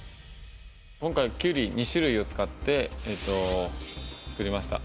今回きゅうり２種類を使って作りました